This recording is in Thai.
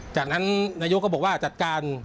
จากนั้นนายกก็บอกว่าจัดการ